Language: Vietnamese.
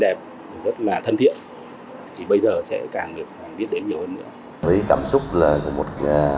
đẹp rất là thân thiện thì bây giờ sẽ càng được biết đến nhiều hơn nữa với cảm xúc là của một